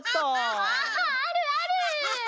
ああるある！